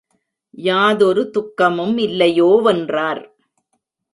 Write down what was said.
யாதொரு துக்கமும் இல்லையோ வென்றார்.